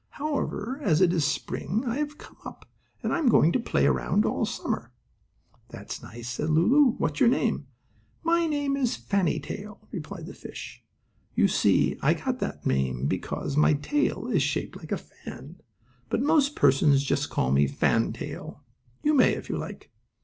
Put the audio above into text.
However, as it is now spring, I have come up, and I am going to play around all summer." "That's nice," remarked Lulu. "What's your name?" "My name is Fannie Tail," replied the fish. "You see I got that name because my tail is shaped like a fan, but most persons just call me Fan Tail. You may, if you like."